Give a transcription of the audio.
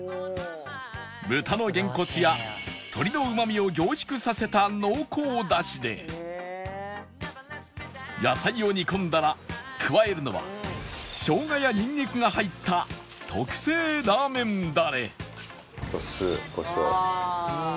豚のげん骨や鶏のうまみを凝縮させた濃厚ダシで野菜を煮込んだら加えるのは生姜やニンニクが入った特製ラーメンダレお酢コショウ。